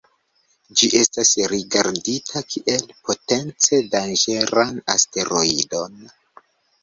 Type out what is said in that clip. Ĝi estas rigardita kiel potence danĝeran asteroidon.